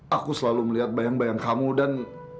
aku selalu melihat bayang bayang kamu dan